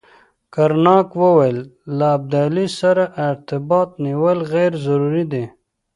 کرناک ویل له ابدالي سره ارتباط نیول غیر ضروري دي.